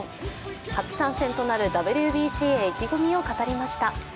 初参戦となるＷＢＣへ意気込みを語りました。